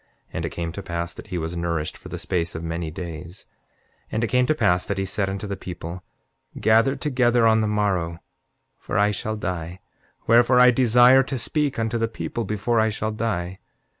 And it came to pass that he was nourished for the space of many days. 7:16 And it came to pass that he said unto the people: Gather together on the morrow, for I shall die; wherefore, I desire to speak unto the people before I shall die.